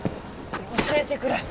教えてくれ！